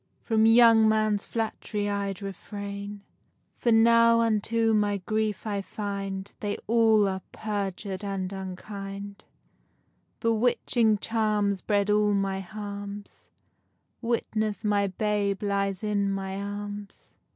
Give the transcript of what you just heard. From young men's flatt'ry I'd refrain; For now unto my grief I find They all are perjur'd and unkind; Bewitching charms bred all my harms;— Witness my babe lies in my arms.